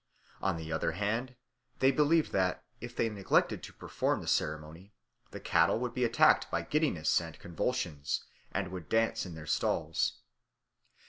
On the other hand, they believed that, if they neglected to perform the ceremony, the cattle would be attacked by giddiness and convulsions and would dance in their stalls.